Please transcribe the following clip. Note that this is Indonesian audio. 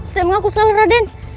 saya mengaku salah raden